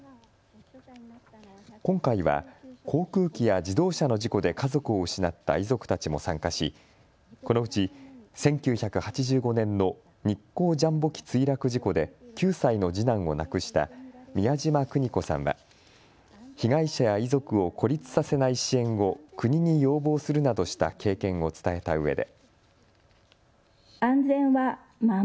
今回は航空機や自動車の事故で家族を失った遺族たちも参加しこのうち１９８５年の日航ジャンボ機墜落事故で９歳の次男を亡くした美谷島邦子さんは被害者や遺族を孤立させない支援を国に要望するなどした経験を伝えたうえで。